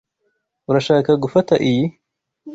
Urashaka gufata iyi?